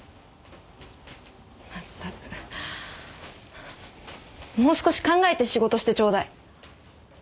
全くもう少し考えて仕事してちょうだい。